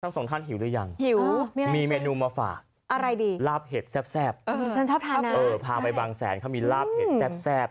ทั้งสองท่านหิวหรือยังมีเมนูมาฝากลาบเห็ดแซ่บพาไปบางแสนเขามีลาบเห็ดแซ่บ